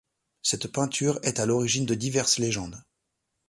Cette peinture est à l'origine de diverses légendes.